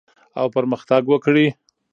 او پرمختګ وکړي